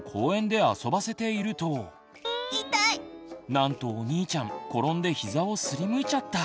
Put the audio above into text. なんとお兄ちゃん転んで膝をすりむいちゃった。